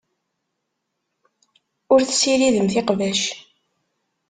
Ur tessiridemt iqbac.